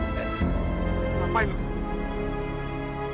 ben ngapain lu sendiri